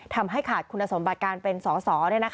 ทำให้ขาดคุณสมบัติการเป็นสอสอ